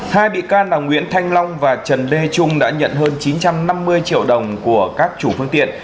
hai bị can là nguyễn thanh long và trần lê trung đã nhận hơn chín trăm năm mươi triệu đồng của các chủ phương tiện